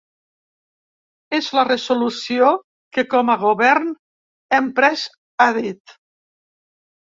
És la resolució que com a govern hem pres, ha dit.